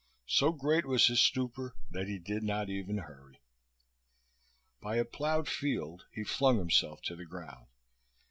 So great was his stupor that he did not even hurry. By a plowed field he flung himself to the ground.